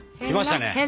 きましたね。